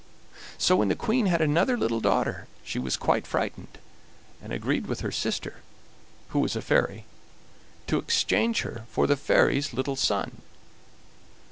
"So when the Queen had another little daughter she was quite frightened, and agreed with her sister (who was a fairy) to exchange her for the fairy's little son.